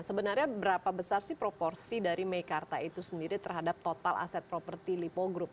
sebenarnya berapa besar sih proporsi dari meikarta itu sendiri terhadap total aset properti lipo group